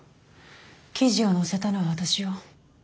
記事を載せたのは私よ。